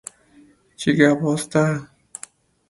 Do you have any special traditions for the holidays?